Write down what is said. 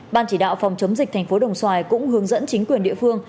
ban chỉ đạo phòng chống dịch tp đồng xoài cũng hướng dẫn chính quyền địa phương